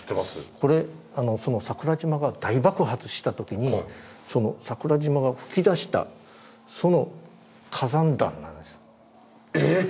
これあのその桜島が大爆発した時にその桜島が噴き出したそのえっ！